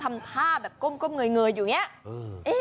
ทำท่าแบบก้มเงยอยู่อย่างนี้